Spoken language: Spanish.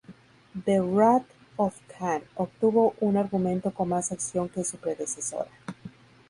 The Wrath of Khan obtuvo un argumento con más acción que su predecesora.